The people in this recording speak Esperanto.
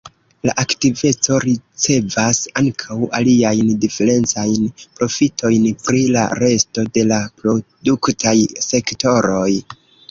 La aktiveco ricevas ankaŭ aliajn diferencajn profitojn pri la resto de la produktaj sektoroj.